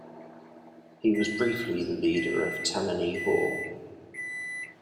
He was briefly the leader of Tammany Hall.